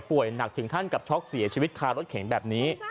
หนักถึงขั้นกับช็อกเสียชีวิตคารถเข็นแบบนี้